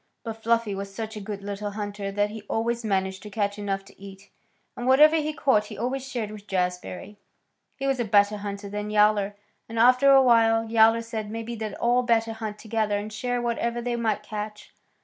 But Fluffy was such a good little hunter that he always managed to catch enough to eat, and whatever he caught he always shared with Jazbury. He was a better hunter than Yowler, and after a while Yowler said maybe they'd all better hunt together and share whatever they might catch.